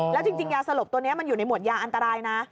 แล้วจริงยาสลบตัวนี้มันอยู่ในหวดยาอันตรายนะ